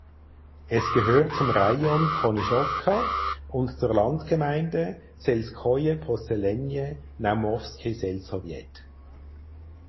Es gehört zum Rajon Konyschowka und zur Landgemeinde "(selskoje posselenije) Naumowski selsowjet".